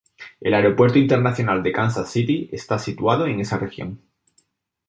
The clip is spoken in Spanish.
El aeropuerto internacional de Kansas City está situado en esa región.